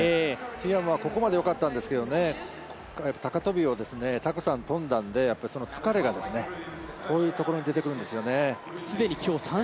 ティアムはここまでよかったんですけど、高跳をたくさん跳んだんで疲れがこういうところに出てくるんですよね。